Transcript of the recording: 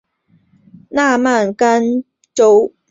纳曼干州是乌兹别克十二个州份之一。